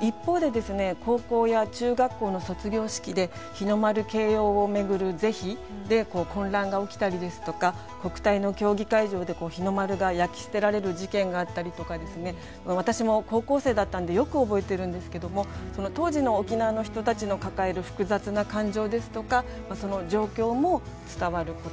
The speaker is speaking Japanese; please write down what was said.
一方で高校や中学校の卒業式で日の丸掲揚を巡る是非で混乱が起きたりですとか国体の競技会場で日の丸が焼き捨てられる事件があったりとか私も高校生だったんでよく覚えてるんですけども当時の沖縄の人たちの抱える複雑な感情ですとかその状況も伝わることになりました。